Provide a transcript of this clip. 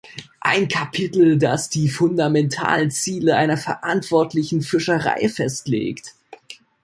Ein Kapitel, das die fundamentalen Ziele einer verantwortlichen Fischerei festlegt.